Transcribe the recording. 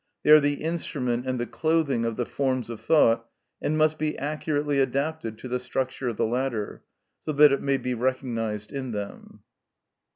They are the instrument and the clothing of the forms of thought, and must be accurately adapted to the structure of the latter, so that it may be recognised in them.